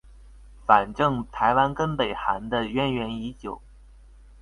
反正台灣跟北韓的淵源已久